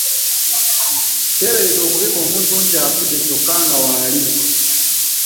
Teebereza okubika omuntu nti afudde kyokka nga w'ali!